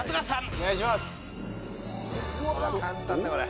簡単だこれ。